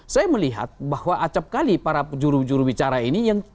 saya melihat bahwa acapkali para jurubicara ini yang